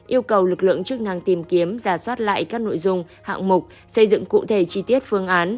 yêu cầu lực lượng chức năng tìm kiếm giả soát lại các nội dung hạng mục xây dựng cụ thể chi tiết phương án